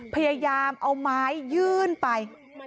พยายามเอาไม้ยื่นไป